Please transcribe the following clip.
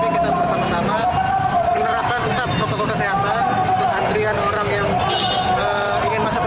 kita bersama sama menerapkan tetap protokol kesehatan untuk antrian orang yang ingin masuk ke